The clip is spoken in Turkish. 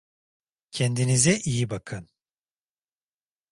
Kendinize iyi bakın.